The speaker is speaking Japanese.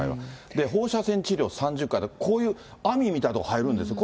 で、放射線治療３０回、こういう網みたいなところ入るんです。